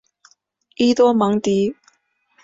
伊多芒迪。